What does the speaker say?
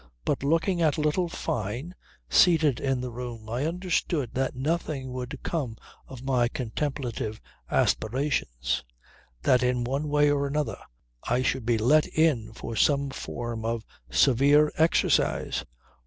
But looking at little Fyne seated in the room I understood that nothing would come of my contemplative aspirations; that in one way or another I should be let in for some form of severe exercise.